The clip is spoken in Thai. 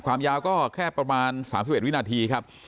ความยาวก็แค่ประมาณ๓๑วินาทีครับ